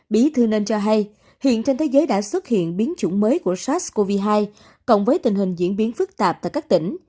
bí thư nên cho hay hiện trên thế giới đã xuất hiện biến chủng mới của sars cov hai cộng với tình hình diễn biến phức tạp tại các tỉnh